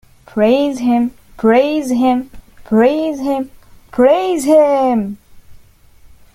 Praise him, praise him, praise him, praise him!